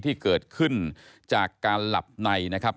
ที่เกิดขึ้นจากการหลับในนะครับ